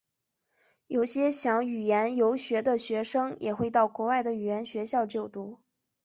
有些想语言游学的学生也会到国外的语言学校就读。